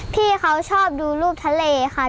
พี่เขาชอบดูรูปทะเลค่ะ